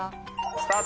スタート。